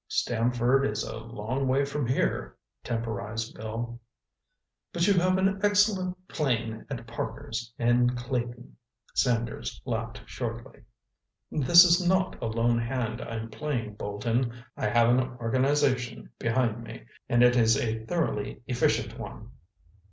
"Stamford is a long way from here," temporized Bill. "But you have an excellent plane at Parker's, in Clayton." Sanders laughed shortly. "This is not a lone hand I'm playing, Bolton. I have an organization behind me, and it is a thoroughly efficient one.